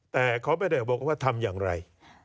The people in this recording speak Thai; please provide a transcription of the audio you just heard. แต่เขาไม่ได้บอกว่าทำอย่างไร